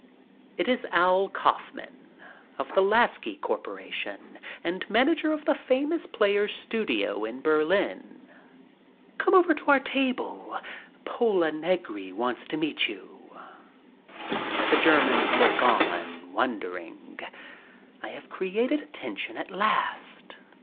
It is Al Kaufman of the Lasky corporation and manager of the Famous Players studio in Berlin. *' Come over to our table. Pola Negri wants to meet you. '' Again I come into my own. The Germans look on, won dering. I have created attention at last.